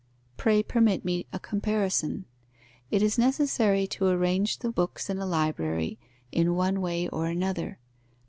Pray permit me a comparison. It is necessary to arrange the books in a library in one way or another.